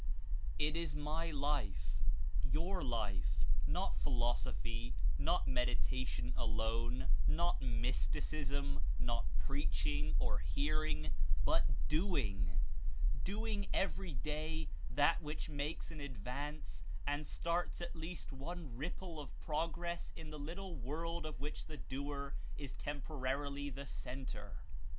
It is my life, your life, not philosophy, not medi tation alone, not mysticism, not preaching or hearing, but DOING; doing every day that which makes an ad vance and starts at least one ripple of progress in the little world of which the doer is temporarily the center.